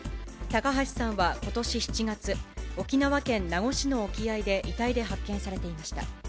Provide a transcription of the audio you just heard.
高橋さんはことし７月、沖縄県名護市の沖合で遺体で発見されていました。